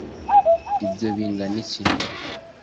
ibyo bingana iki